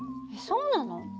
そうなの？